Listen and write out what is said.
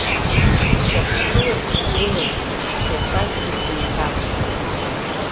Шәахьгылац шәгылаз, шьаҿакгьы шәеиҭамҵын!